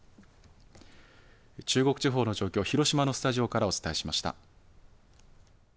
中国地方の状況、広島のスタジオからお伝えしました。